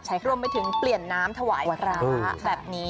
ใช้ร่วมไปถึงเปลี่ยนน้ำถวายร้าแบบนี้